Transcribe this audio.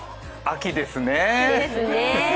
秋ですねえ。